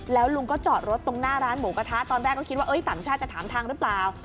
แล้วลุงก็จอดรถตรงหน้าร้านหมูกระทะตอนแรกก็คิดว่าต่างชาติจะถามทางหรือเปล่า